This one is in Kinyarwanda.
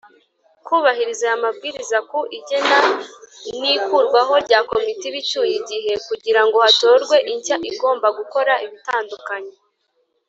kubahiriza aya mabwiriza ku igena n’ikurwaho rya komite iba icyuye igihe kugira ngo hatorwe inshya igomba gukora ibitandukanye.